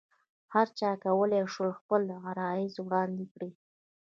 هرچا کولای شول خپل عرایض وړاندې کړي.